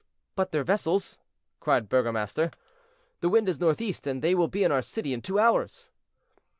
"But their vessels?" cried the burgomaster. "The wind is northeast, and they will be in our city in two hours."